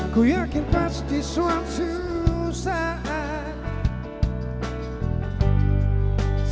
kuyakin pasti suatu saat